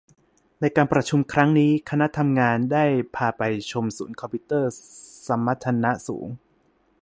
ในการประชุมครั้งนี้คณะทำงานได้พาไปชมศูนย์คอมพิวเตอร์สมรรถนะสูง